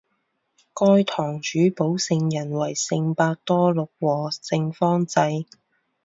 该堂主保圣人为圣伯多禄和圣方济。